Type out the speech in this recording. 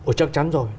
ồ chắc chắn rồi